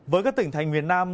với các tỉnh thành miền nam